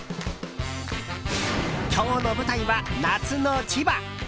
今日の舞台は夏の千葉。